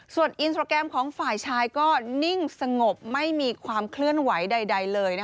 ส่วนอินสตราแกรมของฝ่ายชายก็นิ่งสงบไม่มีความเคลื่อนไหวใดเลย